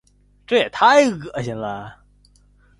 这也太恶心了。